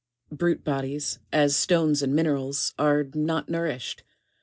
Brute bodies, as stones and minerals are not nourished.